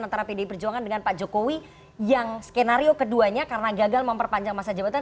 antara pdi perjuangan dengan pak jokowi yang skenario keduanya karena gagal memperpanjang masa jabatan